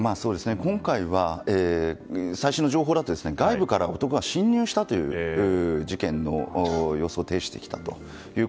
今回は最初の情報だと外部から男が侵入したという事件の様相を呈してきたという。